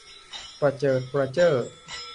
ประเจิดประเจ้อ